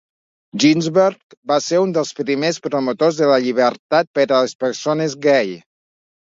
Ginsberg va ser un dels primers promotors de la llibertat per a les persones gai.